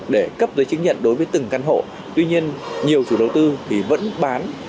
để cấp giấy chứng nhận đối với từng căn hộ tuy nhiên nhiều chủ đầu tư thì vẫn bán